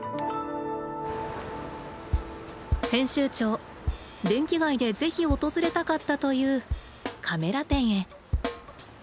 編集長電気街でぜひ訪れたかったという「カメラ店」へ。